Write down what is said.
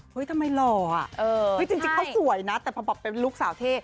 ทำไมหล่ออ่ะจริงเขาสวยนะแต่พอบอกเป็นลูกสาวเท่